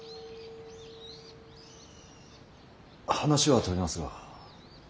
話は飛びますが。